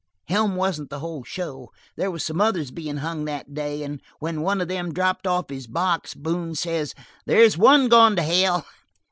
"Helm wasn't the whole show. There was some others bein' hung that day and when one of them dropped off his box, Boone says: 'There's one gone to hell.'